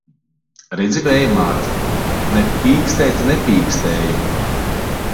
Redzi, Vēja māt! Ne pīkstēt nepīkstēju!